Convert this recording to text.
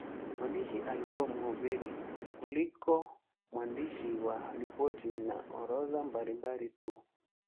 Mwandishi alikuwa mhubiri kuliko mwandishi wa ripoti na orodha mbalimbali tu.